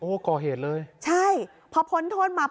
พอหลังจากเกิดเหตุแล้วเจ้าหน้าที่ต้องไปพยายามเกลี้ยกล่อม